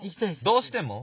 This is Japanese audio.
どうしても！